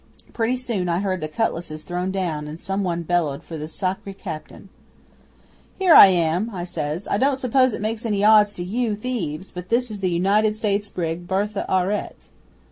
Pretty soon I heard the cutlasses thrown down and some one bellowed for the sacri captain. '"Here I am!" I says. "I don't suppose it makes any odds to you thieves, but this is the United States brig BERTHE AURETTE."